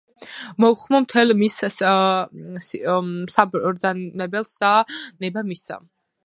მოუხმო მთელ მის საბრძანებელს და ნება მისცა